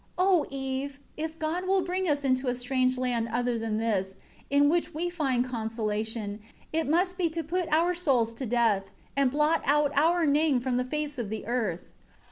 10 O Eve, if God will bring us into a strange land other than this, in which we find consolation, it must be to put our souls to death, and blot out our name from the face of the earth.